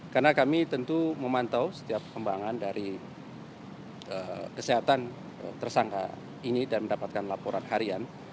karena kami tentu memantau setiap kembangan dari kesehatan tersangka ini dan mendapatkan laporan harian